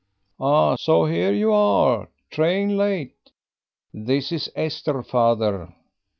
"Ah, so here you are. Train late." "This is Esther, father."